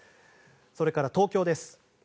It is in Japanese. それから東京です。